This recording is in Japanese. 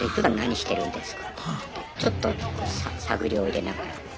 ちょっと探りを入れながら。